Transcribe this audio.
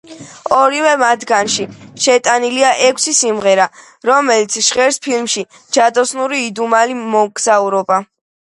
ორივე მათგანში შეტანილია ექვსი სიმღერა, რომელიც ჟღერს ფილმში „ჯადოსნური იდუმალი მოგზაურობა“.